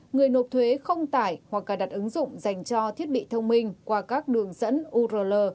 người nộp thuế không tải hoặc cài đặt ứng dụng dành cho thiết bị thông minh qua các đường dẫn url